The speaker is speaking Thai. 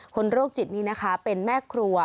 โรคจิตนี้นะคะเป็นแม่ครัว